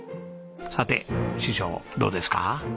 さて師匠どうですか？